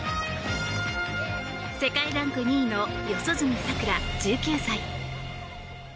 世界ランク２位の四十住さくら、１９歳。